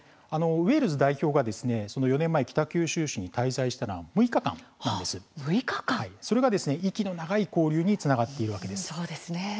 ウェールズ代表チームが北九州市に滞在したのは６日間なんですけれどもそれが、息の長い交流につながっています。